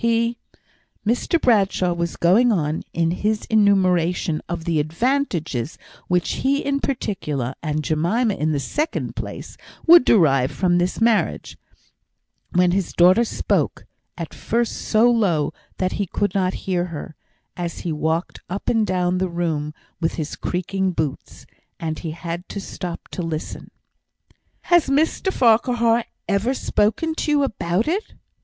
He " Mr Bradshaw was going on in his enumeration of the advantages which he in particular, and Jemima in the second place, would derive from this marriage, when his daughter spoke, at first so low that he could not hear her, as he walked up and down the room with his creaking boots, and he had to stop to listen. "Has Mr Farquhar ever spoken to you about it?"